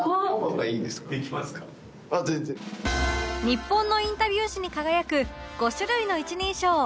日本のインタビュー史に輝く５種類の一人称